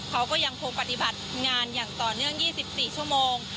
เขาก็ยังคงปฏิบัติงานอย่างต่อเนื่อง๒๔ชั่วโมง